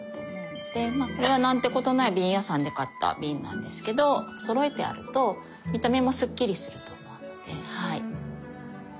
これは何てことない瓶屋さんで買った瓶なんですけどそろえてあると見た目もスッキリすると思うのではい。